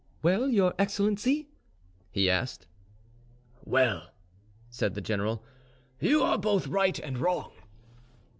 "Well, your excellency?" he asked. "Well," said the general, "you are both right and wrong.